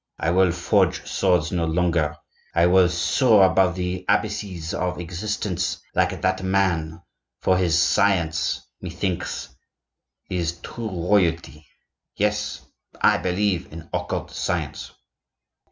I will forge swords no longer; I will soar above the abysses of existence, like that man; for his science, methinks, is true royalty! Yes, I believe in occult science."